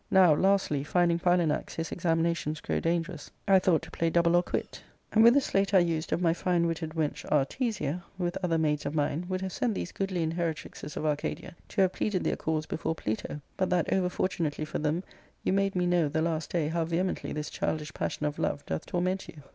Now, lastly, finding Philanax his examinations grow dangerous, I thought to play double or quit, and with a sleight I used of my fine witted wench Artesia, with other maids of mine, would have sent these goodly inheritrixes of Arcadia to have pleaded their cause before Pluto, but that over fortunately for them you made me know the last day hiow vehemently this childish passion of love doth torment you.